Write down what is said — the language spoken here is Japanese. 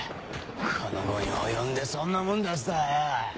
この期に及んでそんなもん出すとはよ。